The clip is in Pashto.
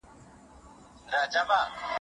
اوس لکه چي ستا د جنازې تر ورځي پاته یم